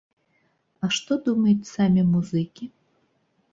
А што думаюць самі музыкі?